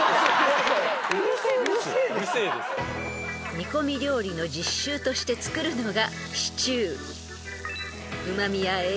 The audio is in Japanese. ［煮込み料理の実習として作るのが］